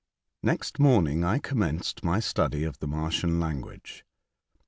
NEXT morning I commenced my study of the Martian language.